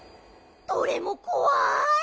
どれもこわい！